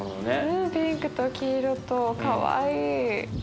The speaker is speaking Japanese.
うんピンクと黄色とかわいい。